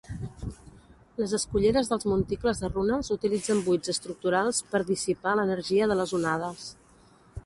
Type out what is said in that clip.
Les esculleres dels monticles de runes utilitzen buits estructurals per dissipar l'energia de les onades.